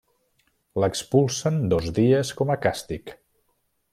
L'expulsen dos dies com a càstig.